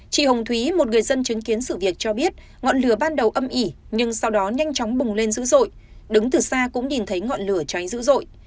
chị hồng thúy một người dân chứng kiến sự việc cho biết ngọn lửa ban đầu âm ỉ nhưng sau đó nhanh chóng bùng lên dữ dội đứng từ xa cũng nhìn thấy ngọn lửa cháy dữ dội